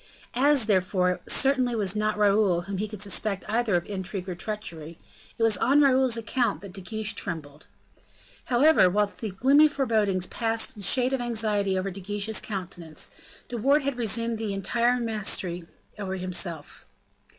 As, therefore, it certainly was not Raoul whom he could suspect either of intrigue or treachery, it was on Raoul's account that De Guiche trembled. However, while these gloomy forebodings cast a shade of anxiety over De Guiche's countenance, De Wardes had resumed the entire mastery over himself.